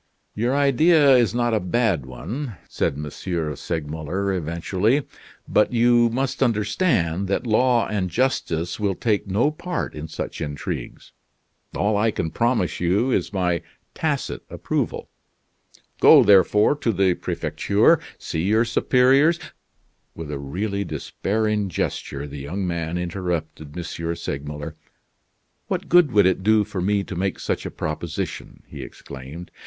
"Your idea is not a bad one," said M. Segmuller, eventually. "But you must understand that law and justice will take no part in such intrigues. All I can promise you is my tacit approval. Go, therefore, to the Prefecture; see your superiors " With a really despairing gesture, the young man interrupted M. Segmuller. "What good would it do for me to make such a proposition?" he exclaimed.